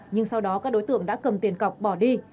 nhưng sau đó các đối tượng đã cầm tiền cọc bỏ đi